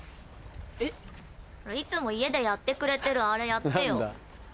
えっ？いつも家でやってくれてるあれやってよ。